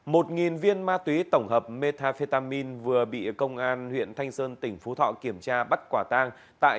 một viên ma túy tổng hợp metafetamin vừa bị công an huyện thanh sơn tỉnh phú thọ kiểm tra bắt quả tang tại